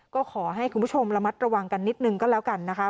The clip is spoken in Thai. ก็ขอให้คุณผู้ชมระมัดระวังกันนิดนึงก็แล้วกันนะคะ